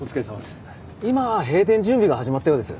今閉店準備が始まったようです。